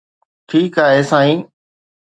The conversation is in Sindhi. ٺيڪ آهي سائين